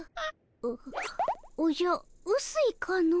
おじゃうすいかの？